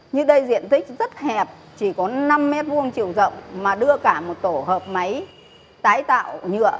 như đây diện tích rất hẹp chỉ có năm m hai chiều rộng mà đưa cả một tổ hợp máy tái tạo nhựa